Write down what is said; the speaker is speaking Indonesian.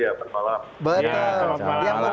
ya selamat malam